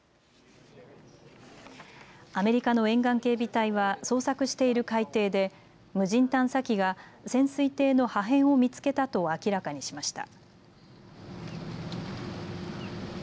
アメリカの沿岸警備隊は捜索している海底で無人探査機が潜水艇の破片を見つけたと明らかにしました。